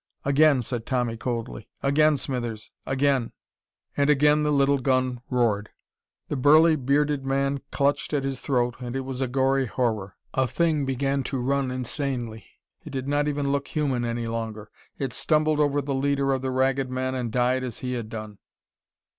"Again," said Tommy coldly. "Again, Smithers, again!" And again the little gun roared. The burly bearded man clutched at his throat and it was a gory horror. A Thing began to run insanely. It did not even look human any longer. It stumbled over the leader of the Ragged Men and died as he had done.